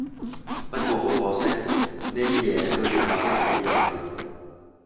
不過好可惜，呢啲嘢都要化為烏有喇